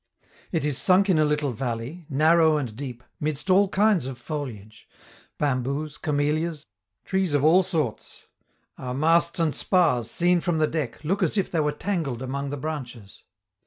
It is sunk in a little valley, narrow and deep, midst all kinds of foliage bamboos, camellias, trees of all sorts; our masts and spars, seen from the deck, look as if they were tangled among the branches.